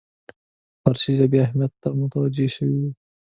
فارسي ژبې اهمیت ته متوجه شوی وو.